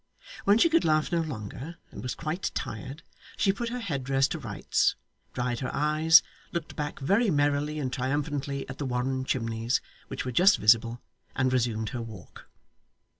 When she could laugh no longer, and was quite tired, she put her head dress to rights, dried her eyes, looked back very merrily and triumphantly at the Warren chimneys, which were just visible, and resumed her walk.